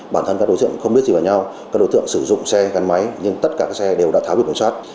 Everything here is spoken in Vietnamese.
bản thân các đối tượng không biết gì về nhau các đối tượng sử dụng xe gắn máy nhưng tất cả các xe đều đã tháo bị quân soát